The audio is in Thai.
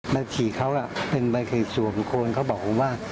มาขี่เขาอ่ะเป็นบริเวณส่วนคนเขาบอกผมว่า